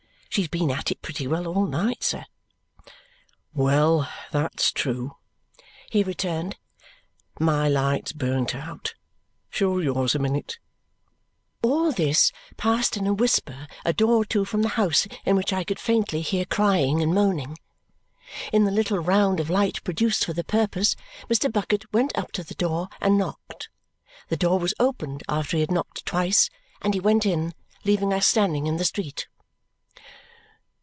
"She's been at it pretty well all night, sir." "Well, that's true," he returned. "My light's burnt out. Show yours a moment." All this passed in a whisper a door or two from the house in which I could faintly hear crying and moaning. In the little round of light produced for the purpose, Mr. Bucket went up to the door and knocked. The door was opened after he had knocked twice, and he went in, leaving us standing in the street.